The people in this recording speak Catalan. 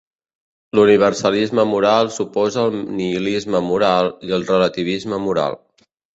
L'universalisme moral s'oposa al nihilisme moral i al relativisme moral.